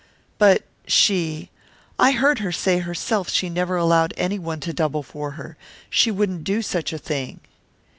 "But she I heard her say herself she never allowed any one to double for her she wouldn't do such a thing."